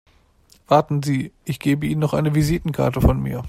Warten Sie, ich gebe Ihnen noch eine Visitenkarte von mir.